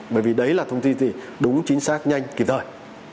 bởi vì đấy là thông tin gì đúng chính xác nhanh kịp thời